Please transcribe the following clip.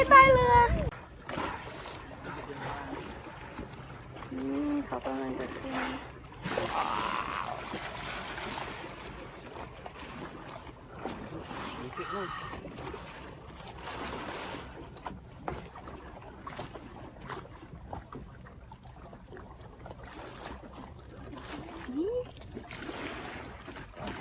ดูนี่คือ